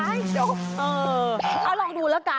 เอาลองดูแล้วกัน